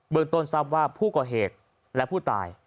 เมืองต้นทรัพย์ว่าผู้ก่อเหตุและผู้ตาย